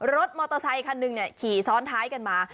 รถมอเตอร์ไซค์คันนึงเนี่ยขี่ซ้อนท้ายกันมา